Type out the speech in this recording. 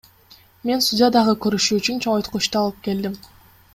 Мен судья дагы көрүшү үчүн чоңойткучту алып келдим.